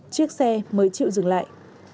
chiếc xe mới chịu dừng lại